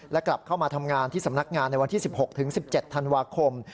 และกลับเข้ามาทำงานที่สำนักงานในวันที่๑๖๑๗ธันวาคม